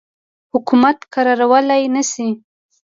حکومت کرارولای نه شي.